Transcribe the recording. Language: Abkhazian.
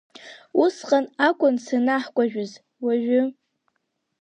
Усҟан акәын санаҳкәажәыз, уажәы…